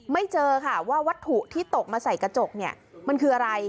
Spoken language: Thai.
ไม่เจอค่ะว่าวัตถุที่ตกมาใส่กระจกเนี่ยมันคืออะไร